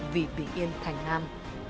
vì bị yên thành nam